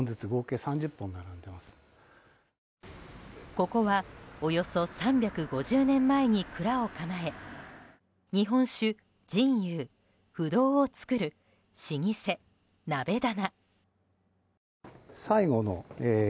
ここは３５０年前に蔵を構え日本酒、仁勇・不動を造る老舗・鍋店。